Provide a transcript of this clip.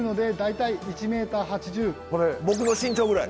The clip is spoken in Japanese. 僕の身長ぐらい。